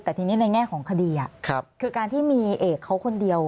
แต่ทีนี้ในแง่ของคดีคือการที่มีเอกเขาคนเดียว